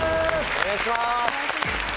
お願いします！